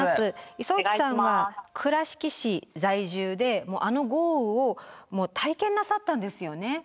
磯打さんは倉敷市在住であの豪雨を体験なさったんですよね？